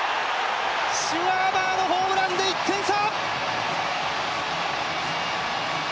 シュワーバーのホームランで１点差。